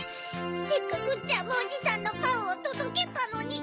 せっかくジャムおじさんのパンをとどけたのに。